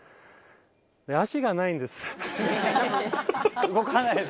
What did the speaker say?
足がないです。